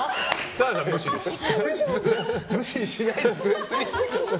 無視しないですよ、別に。